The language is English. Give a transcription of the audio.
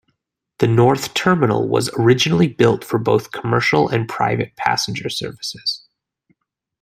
The North Terminal was originally built for both commercial and private passenger services.